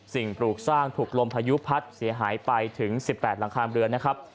ปลูกสร้างถูกลมพายุพัดเสียหายไปถึง๑๘หลังคาเรือนนะครับ